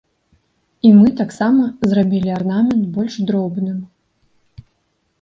І мы таксама зрабілі арнамент больш дробным.